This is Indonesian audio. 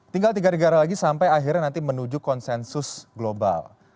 tinggal tiga negara lagi sampai akhirnya nanti menuju konsensus global